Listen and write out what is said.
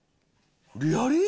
リアリー？